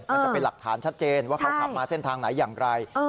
มันจะเป็นหลักฐานชัดเจนว่าเขาขับมาเส้นทางไหนอย่างไร